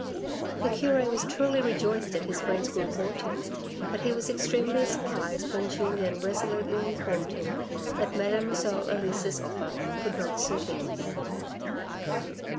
The cure* was truly rejoiced at his friend's good fortune, but he was extremely surprised when Julien resolutely informed him that Mademoiselle Elisa's offer could not suit him.